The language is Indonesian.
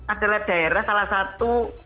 adalah daerah salah satu